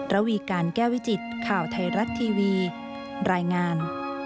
ระวีการแก้วิจิตข่าวไทยรัฐทีวีรายงาน